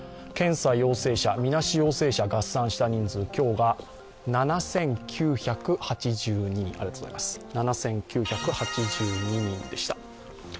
検査陽性者、みなし陽性者を合算した人数、今日が７９８２人でした。